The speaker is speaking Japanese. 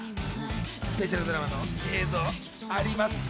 スペシャルドラマの映像あります。